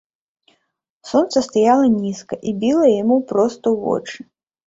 Сонца стаяла нізка і біла яму проста ў вочы.